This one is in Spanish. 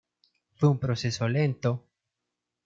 Fue un proceso lento.